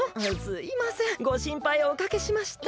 すいませんごしんぱいをおかけしました。